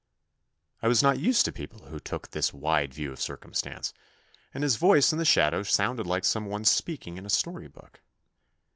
I was not used to people who took this wide view of circum stance, and his voice in the shadows sounded like some one speaking in a story book.